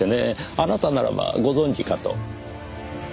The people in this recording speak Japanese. あなたならばご存じかと。